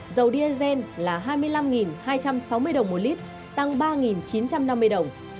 dầu diesel là hai mươi năm hai trăm sáu mươi đồng một lít tăng ba chín trăm năm mươi đồng